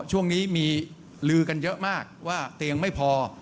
ช่วงนี้มีลือกันเยอะมากว่าเตียงไม่พอ